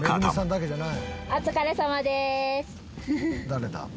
「誰だ？」